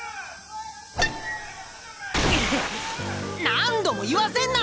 何度も言わせんな！